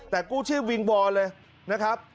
แต่กุธิวิ้งบอลเลยนะครับ